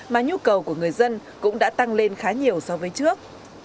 mà nhu cầu của người dân cũng đã tăng lên khá nhiều so với trước